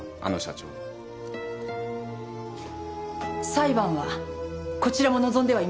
裁判はこちらも望んではいません。